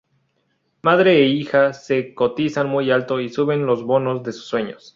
Madre e hija se cotizan muy alto y suben los bonos de sus sueños.